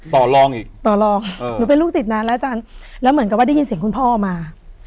ต่อรองอีกต่อรองหนูเป็นลูกศิษย์นานแล้วอาจารย์แล้วเหมือนกับว่าได้ยินเสียงคุณพ่อมา